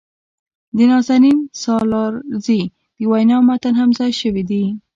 د نازنین سالارزي د وينا متن هم ځای شوي دي.